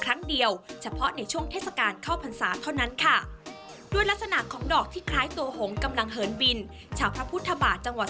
การีพัฒน์กันครับ